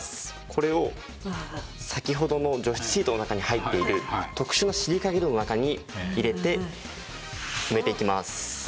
これを先ほどの除湿シートの中に入っている特殊なシリカゲルの中に入れて埋めていきます。